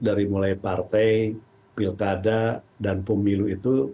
dari mulai partai pilkada dan pemilu itu